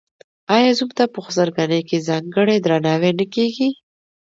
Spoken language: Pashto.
آیا زوم ته په خسرګنۍ کې ځانګړی درناوی نه کیږي؟